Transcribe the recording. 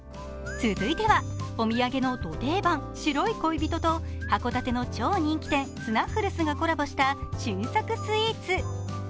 続いては、お土産のど定番、白い恋人と函館の超人気店、スナッフルズがコラボした新作スイーツ。